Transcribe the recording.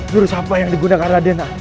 juru apa yang digunakan radenna